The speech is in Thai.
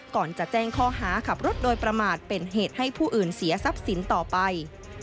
ก่อนจะแจ้งข้อหาขับรถโดยประมาทเป็นเหตุให้ผู้อื่นเสียทรัพย์สินต่อไป